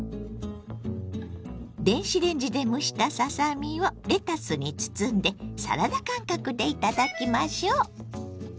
電子レンジで蒸したささ身をレタスに包んでサラダ感覚で頂きましょ。